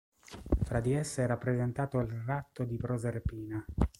Fra di esse è rappresentato il "Ratto di Proserpina".